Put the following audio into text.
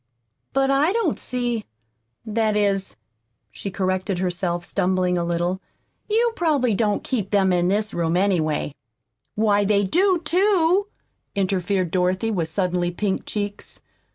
But I don't see That is," she corrected herself, stumbling a little, "you probably don't keep them in this room, anyway." "Why, they do, too," interfered Dorothy, with suddenly pink cheeks.